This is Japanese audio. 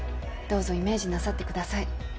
どうぞイメージなさってください